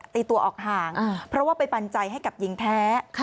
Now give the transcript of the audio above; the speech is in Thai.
ตีตัวออกห่างเพราะว่าไปปันใจให้กับหญิงแท้